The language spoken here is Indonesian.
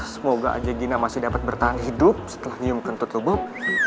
semoga aja gina masih dapat bertahan hidup setelah nyum kentut lo bob